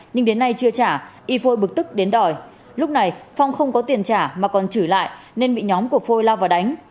nhưng đến nay chưa trả y phôi bực tức đến đòi lúc này phong không có tiền trả mà còn chửi lại nên bị nhóm của phôi lao vào đánh